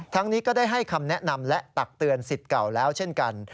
นี้ก็ได้ให้คำแนะนำและตักเตือนสิทธิ์เก่าแล้วเช่นกัน